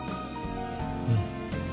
うん。